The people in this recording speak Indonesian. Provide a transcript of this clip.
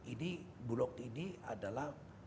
ini bulog ini adalah